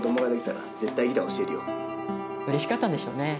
うれしかったんでしょうね。